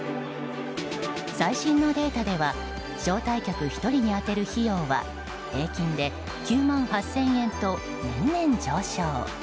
最新のデータでは招待客１人に充てる費用は平均で９万８０００円と年々上昇。